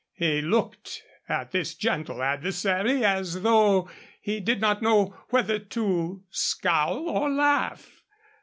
He looked at this gentle adversary as though he did not know whether to scowl or laugh.